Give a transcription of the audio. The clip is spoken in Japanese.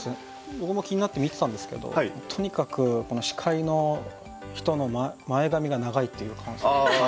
僕も気になって見てたんですけどとにかくこの司会の人の前髪が長いっていう感想。